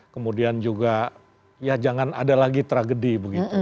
kemudian juga ya jangan ada lagi tragedi begitu